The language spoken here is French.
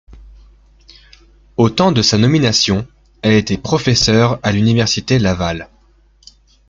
Au temps de sa nomination, elle était professeure à l'Université Laval.